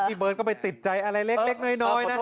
เบิร์ตก็ไปติดใจอะไรเล็กน้อยนะ